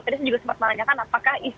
tadi saya juga sempat menanyakan apakah